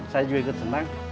saya juga senang